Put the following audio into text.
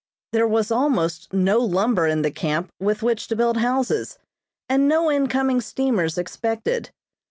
There was almost no lumber in the camp with which to build houses, and no incoming steamers expected.